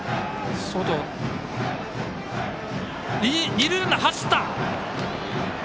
二塁ランナー、走った！